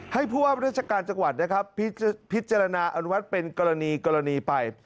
ผู้ว่าราชการจังหวัดนะครับพิจารณาอนุมัติเป็นกรณีไป